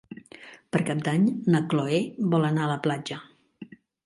Per Cap d'Any na Chloé vol anar a la platja.